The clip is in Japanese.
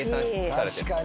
確かに。